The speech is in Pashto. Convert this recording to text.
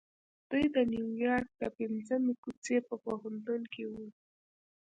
دوی د نيويارک د پنځمې کوڅې په پوهنتون کې وو.